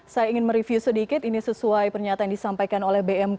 saya ingin mereview sedikit ini sesuai pernyataan yang disampaikan oleh bmkg